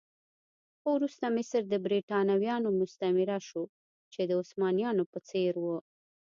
خو وروسته مصر د برېټانویانو مستعمره شو چې د عثمانيانو په څېر و.